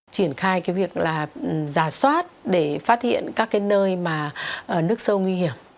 triển khai cái việc là giả soát để phát hiện các cái nơi mà nước sâu nguy hiểm